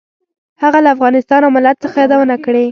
هغه له افغانستان او ملت څخه یادونه کړې.